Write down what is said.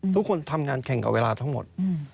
ทุกคนทำงานแข่งกับเวลาทั้งหมด